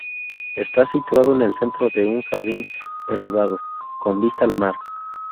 Está situado en el centro de un jardín elevado, con vista al mar.